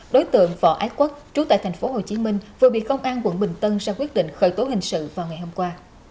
đối tượng võ ái quốc trú tại tp hcm vừa bị công an quận bình tân ra quyết định khởi tố hình sự vào ngày hôm qua